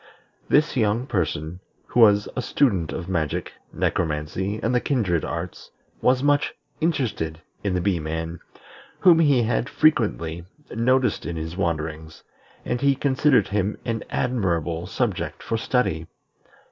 This young person, who was a student of magic, necromancy, and the kindred arts, was much interested in the Bee man, whom he had frequently noticed in his wanderings, and he considered him an admirable subject for study.